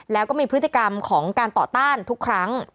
แล้วก็มีพฤติกรรมของการต่อต้านทุกครั้ง